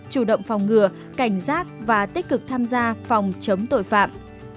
chủ động phòng ngừa cảnh giác và tích cực tham gia phòng chống tội phạm